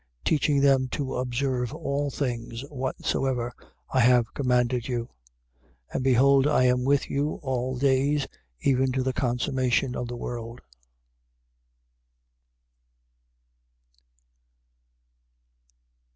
28:20. Teaching them to observe all things whatsoever I have commanded you. And behold I am with you all days, even to the consummation of the world.